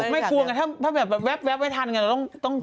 ไม่ควรถ้าแบบแว๊บไว้ทันก็ต้องตั้ง